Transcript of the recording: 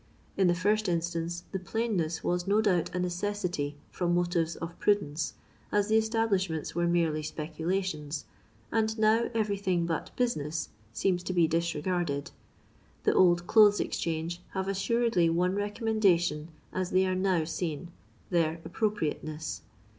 In the first instance the plainness was no doubt a necessity from motives of prudence, as the establishments were merely speculations, and BOW everything but hunnat seems to be disre garded. The Old Clothes Bxchanges have as saredly one recommendation as they are now seen — their appropriateness.